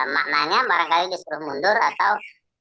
maknanya barangkali disuruh mundur atau